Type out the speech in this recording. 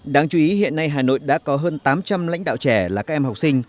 đáng chú ý hiện nay hà nội đã có hơn tám trăm linh lãnh đạo trẻ là các em học sinh